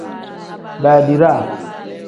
Badiraa.